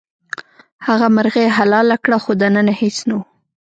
هغه مرغۍ حلاله کړه خو دننه هیڅ نه وو.